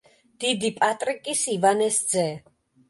დიდი პატრიკის ივანეს ძე.